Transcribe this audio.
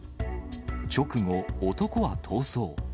直後、男は逃走。